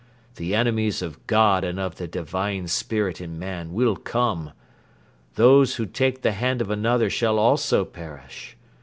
The enemies of God and of the Divine Spirit in man will come. Those who take the hand of another shall also perish.